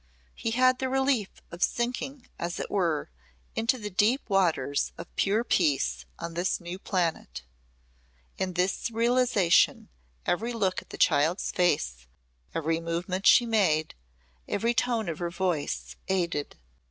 He had the relief of sinking, as it were, into the deep waters of pure peace on this new planet. In this realisation every look at the child's face, every movement she made, every tone of her voice, aided.